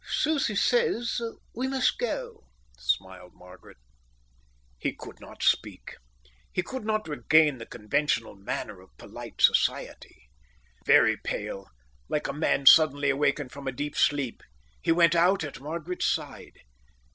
"Susie says we must go," smiled Margaret. He could not speak. He could not regain the conventional manner of polite society. Very pale, like a man suddenly awaked from deep sleep, he went out at Margaret's side.